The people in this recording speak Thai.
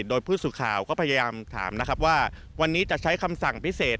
โดยผู้สื่อข่าวก็พยายามถามนะครับว่าวันนี้จะใช้คำสั่งพิเศษ